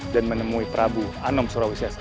dan menemui prabu anom surawisiasa